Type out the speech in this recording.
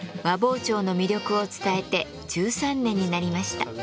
和包丁の魅力を伝えて１３年になりました。